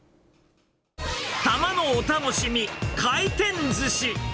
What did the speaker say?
たまのお楽しみ、回転ずし。